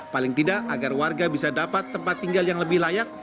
paling tidak agar warga bisa dapat tempat tinggal yang lebih layak